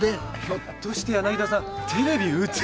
ひょっとして柳田さんテレビ写る気で。